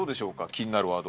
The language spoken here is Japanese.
気になるワード。